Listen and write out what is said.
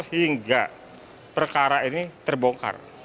sehingga perkara ini terbongkar